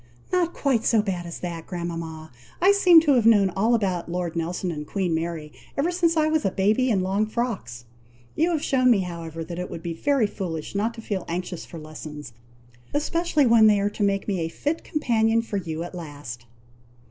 "Not quite so bad as that, grandmama! I seem to have known all about Lord Nelson and Queen Mary, ever since I was a baby in long frocks! You have shewn me, however, that it would be very foolish not to feel anxious for lessons, especially when they are to make me a fit companion for you at last."